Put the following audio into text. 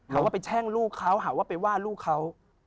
หาว่าไปแช่งลูกเขาหาว่าไปว่าลูกเขา